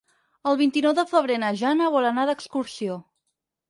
El vint-i-nou de febrer na Jana vol anar d'excursió.